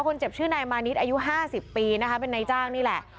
คนเจ็บชื่อนายมานิดอายุ๕๐ปีนะคะเป็นนายจ้างนี่แหละ